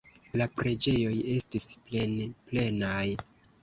La preĝejoj estis plenplenaj.